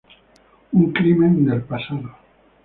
Un crimen del pasado.